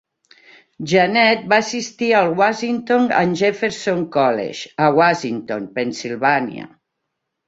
Jeannette va assistir al Washington and Jefferson College, a Washington, Pennsilvània.